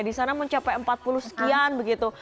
di sana mencapai empat puluh sekian begitu